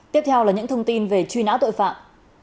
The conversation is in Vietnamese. tiếp theo là những thông tin về truy nã tội phạm